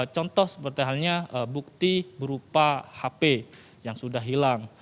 contoh seperti halnya bukti berupa hp yang sudah hilang